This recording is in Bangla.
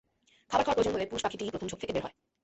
খাবার খাওয়ার প্রয়োজন হলে পুরুষ পাখিটিই প্রথম ঝোপ থেকে বের হয়।